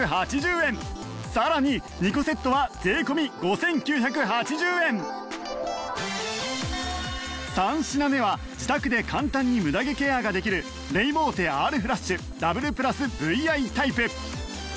さらに２個セットは税込５９８０円３品目は自宅で簡単にムダ毛ケアができるレイボーテ Ｒ フラッシュダブル ＰＬＵＳＶＩ タイプ